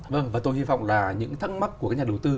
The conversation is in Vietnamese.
vâng và tôi hy vọng là những thắc mắc của cái nhà đầu tư